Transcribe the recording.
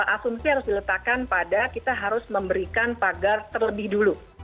asumsi harus diletakkan pada kita harus memberikan pagar terlebih dulu